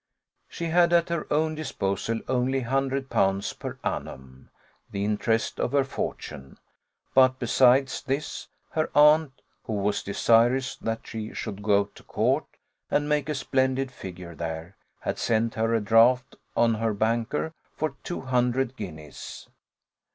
She had, at her own disposal, only 100l. per annum, the interest of her fortune; but besides this, her aunt, who was desirous that she should go to court, and make a splendid figure there, had sent her a draught on her banker for two hundred guineas.